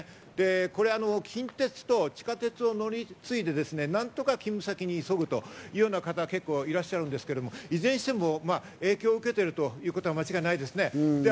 これ、近鉄と地下鉄を乗り継いで何とか勤務先に急ぐという方が結構いらっしゃるんですけれども、いずれにしても影響を受けているということは間違いないですね。